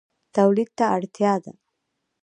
تولید ته اړتیا ده